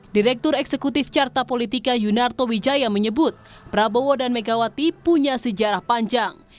direktur eksekutif carta politika yunarto wijaya menyebut prabowo dan megawati punya sejarah panjang